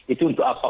itu untuk apa